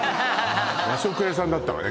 和食屋さんだったわね